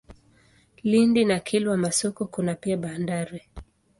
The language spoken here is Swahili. Lindi na Kilwa Masoko kuna pia bandari.